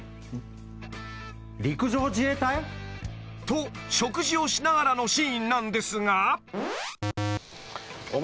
［と食事をしながらのシーンなんですが］